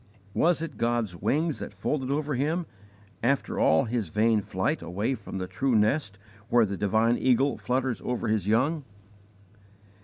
Was it God's wings that folded over him, after all his vain flight away from the true nest where the divine Eagle flutters over His young?